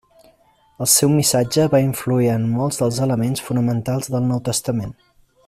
El seu missatge va influir en molts dels elements fonamentals del Nou Testament.